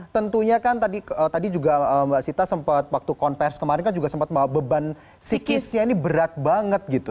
tentunya kan tadi juga mbak sita sempat waktu konversi kemarin kan juga sempat beban psikisnya ini berat banget gitu